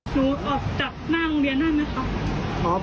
หนูออกจากหน้าโรงเรียนนั่นนะครับ